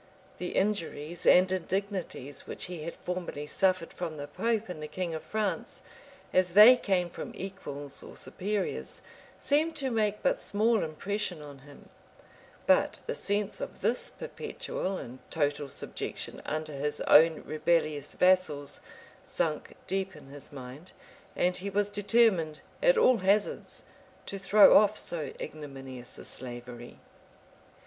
The injuries and indignities which he had formerly suffered from the pope and the king of France, as they came from equals or superiors, seemed to make but small impression on him; but the sense of this perpetual and total subjection under his own rebellious vassals, sunk deep in his mind; and he was determined, at all hazards, to throw off so ignominious a slavery.